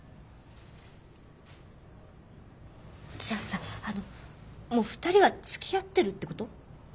じゃあさあのもう２人はつきあってるってこと？